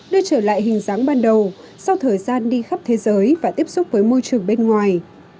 đưa trở lại hình dáng ban đầu sau thời gian đi khắp thế giới và tiếp xúc với môi trường bên ngoài